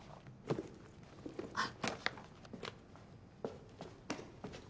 あっ。